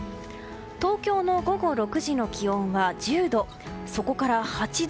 東京の午後６時の気温は１０度。